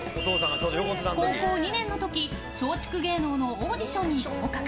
高校２年の時、松竹芸能のオーディションに合格。